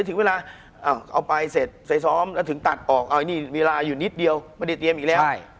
คุณผู้ชมบางท่าอาจจะไม่เข้าใจที่พิเตียร์สาร